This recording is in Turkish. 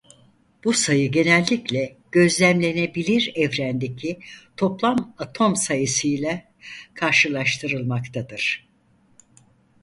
Bu sayı genellikle gözlemlenebilir evrendeki toplam atom sayısıyla karşılaştırılmaktadır.